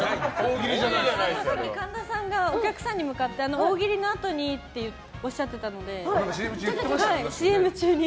さっき神田さんがお客さんに向かって大喜利のあとにっておっしゃってたので、ＣＭ中に。